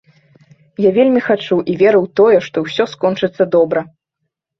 Я вельмі хачу і веру ў тое, што ўсё скончыцца добра.